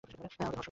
আমাকে ধর্ষণ করো।